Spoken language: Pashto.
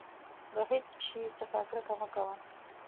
د هېڅ شي څخه کرکه مه کوه.